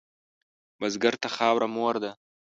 بزګر ته خاوره مور ده